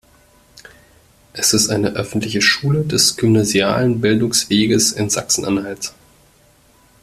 Es ist eine öffentliche Schule des gymnasialen Bildungsweges in Sachsen-Anhalt.